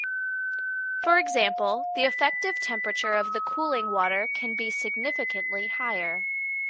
For example, the effective temperature of the cooling water can be significantly higher.